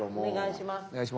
お願いします。